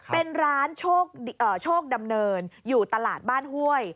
เป็นร้านโชคดำเนินอยู่ตลาดบ้านห้วย